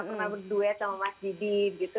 pernah berduet sama mas didi gitu